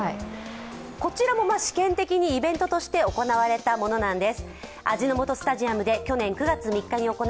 こちらも試験的にイベントとして行われたものなんです。